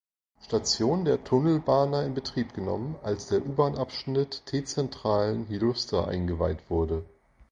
Station der Tunnelbana in Betrieb genommen, als der U-Bahn-Abschnitt T-Centralen–Hjulsta eingeweiht wurde.